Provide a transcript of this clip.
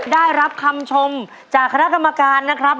ได้รับคำชมจากคณะกรรมการนะครับ